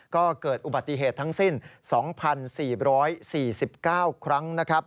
ก็เกิดอุบัติเหตุทั้งสิ้น๒๔๔๙ครั้งนะครับ